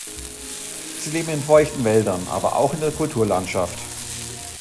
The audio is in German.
Sie leben in feuchten Wäldern, aber auch in der Kulturlandschaft.